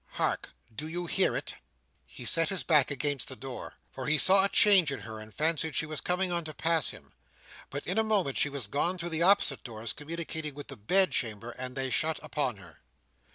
"Hark! do you hear it?" He set his back against the door; for he saw a change in her, and fancied she was coming on to pass him. But, in a moment, she was gone through the opposite doors communicating with the bed chamber, and they shut upon her.